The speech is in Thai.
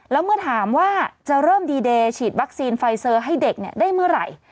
แล้วเมื่อถามว่าจะเริ่มดีเดย์ฉีดวัคซีนไฟเซอร์ให้เด็กได้เมื่อไหร่